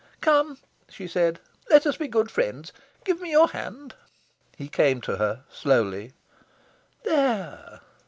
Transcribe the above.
"Come!" she said. "Let us be good friends. Give me your hand!" He came to her, slowly. "There!"